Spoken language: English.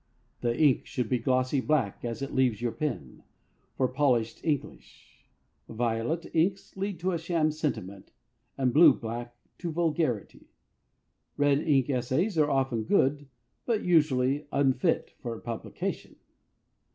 The ink should be glossy black as it leaves your pen, for polished English. Violet inks lead to sham sentiment, and blue black to vulgarity. Red ink essays are often good, but usually unfit for publication.